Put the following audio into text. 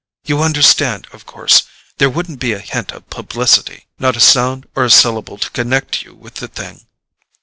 You understand, of course—there wouldn't be a hint of publicity—not a sound or a syllable to connect you with the thing.